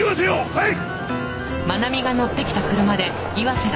はい！